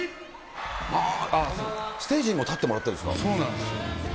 ステージにも立ってもらったそうなんですよ。